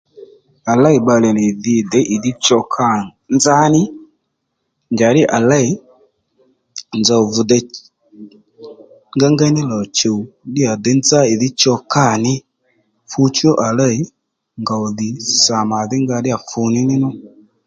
À lêy bbalè nì dhǐ děy ì dhí cho kâ nzá ní njàddí à lêy nzòw vi dey ngéyngéy ní lò chùw ddíyà děy nzá ì dhí cho kâ ní fu chú à lêy ngòw dhi sà mà dhí nga ddíyà fù níní nú